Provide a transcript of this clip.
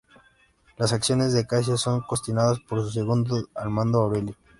Las acciones de Casio son cuestionadas por su segundo al mando Aurelio.